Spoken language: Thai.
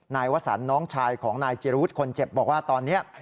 วสันน้องชายของนายจิรวุฒิคนเจ็บบอกว่าตอนนี้